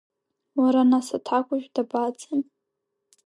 Уара, нас аҭакәажә дабаца?